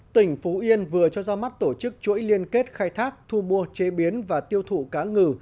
tỉnh phú yên vừa cho ra mắt tổ chức chuỗi liên kết khai thác thu mua chế biến và tiêu thụ cá ngừ